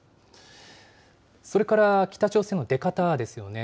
それから、北朝鮮の出方ですよね。